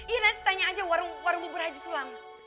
iya nanti tanya aja warung bubur haji sulang